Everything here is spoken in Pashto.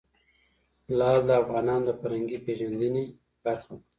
لعل د افغانانو د فرهنګي پیژندنې برخه ده.